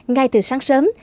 ngay từ sáng sớm